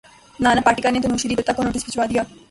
نانا پاٹیکر نے تنوشری دتہ کو نوٹس بھجوا دیا